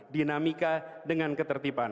dinamika dengan ketertiban